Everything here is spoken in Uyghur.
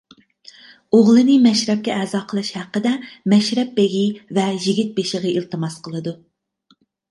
ئوغلىنى مەشرەپكە ئەزا قىلىش ھەققىدە مەشرەپ بېگى ۋە يىگىت بېشىغا ئىلتىماس قىلىدۇ.